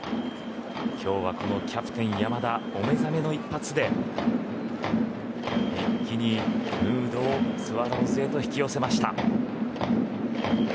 今日はこのキャプテン山田お目覚めの一発で一気にムードをスワローズへと引き寄せました。